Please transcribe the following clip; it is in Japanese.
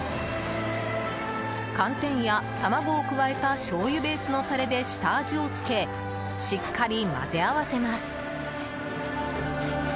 寒天や卵を加えたしょうゆベースのタレで下味をつけしっかり混ぜ合わせます。